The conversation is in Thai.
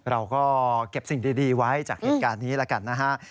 เราก็เก็บสิ่งดีไว้จากเหตุการณ์นี้แล้วกันนะฮะ